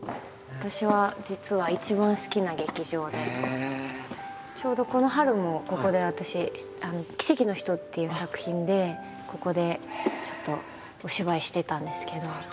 私は実はちょうどこの春もここで私「奇跡の人」っていう作品でここでちょっとお芝居してたんですけど。